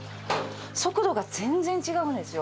速度が全然違うんですよ。